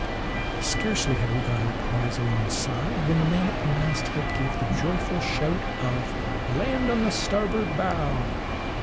Scarcely had we got our prize alongside, when the man at the masthead gave the joyful shout of "land on the starboard bow!"